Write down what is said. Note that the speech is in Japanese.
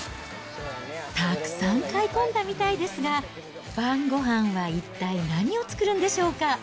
たくさん買い込んだみたいですが、晩ごはんは一体何を作るんでしょうか。